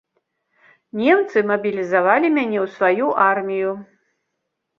Немцы мабілізавалі мяне ў сваю армію.